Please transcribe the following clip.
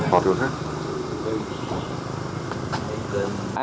học được hả